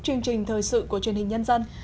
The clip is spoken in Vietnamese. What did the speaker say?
chương trình thời sự của truyền hình nhân dân